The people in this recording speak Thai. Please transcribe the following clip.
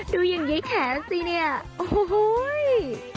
ดูอย่างนี้แท้สิเนี่ยโอ้โห้ย